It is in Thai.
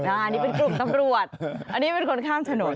อันนี้เป็นกลุ่มตำรวจอันนี้เป็นคนข้างถนน